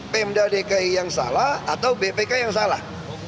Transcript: pemda dki yang salah atau bpk yang salah